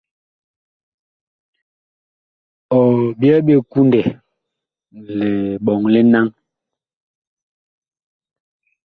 Ɔ byɛɛ ɓe kundɛ liɓɔŋ li naŋ.